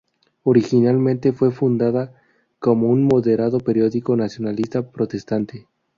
Originalmente fue fundada como un moderado periódico nacionalista protestante.